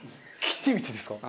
切ってみてですか？